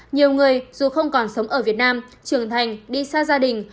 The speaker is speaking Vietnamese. nhiều người dù không còn sống ở việt nam trưởng thành đi xa gia đình